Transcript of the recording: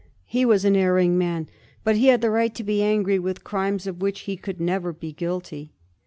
He was an erring man, but he had the right to be angry with crimes of which he could never be guilty.